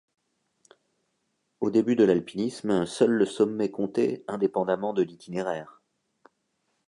Au début de l'alpinisme, seul le sommet comptait indépendamment de l'itinéraire.